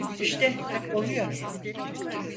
İşte oluyor.